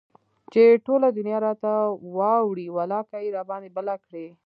چې ټوله دنيا راته واوړي ولاکه يي راباندى بله کړي